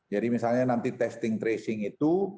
jadi misalnya nanti testing tracing itu